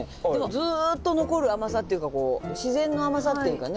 ずっと残る甘さっていうよりかはこう自然の甘さっていうかね。